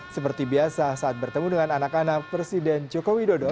seperti biasa saat bertemu dengan anak anak presiden joko widodo